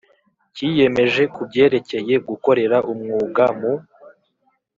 Cyiyemeje ku byerekeye gukorera umwuga mu